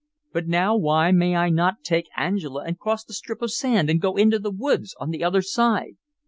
But now why may I not take Angela and cross that strip of sand and go into the woods on the other side?